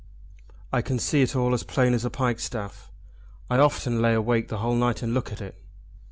I can see it all as plain as a pikestaff. I often lay awake the whole night and look at it.